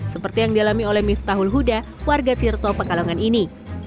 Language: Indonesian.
seperti yang dialami oleh miftahul huda warga tirto pekalongan ini